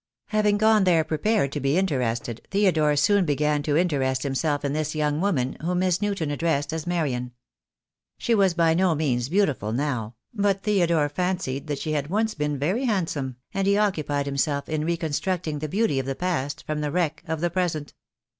Having gone there prepared to be interested, Theodore soon began to interest himself in this young woman, whom Miss Newton addressed as Marian. She was by no means beautiful now, but Theodore fancied that she had once been very handsome, and he occupied himself in reconstructing the beauty of the past from the wreck of the present.